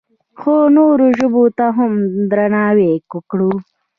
خو نورو ژبو ته هم درناوی وکړو.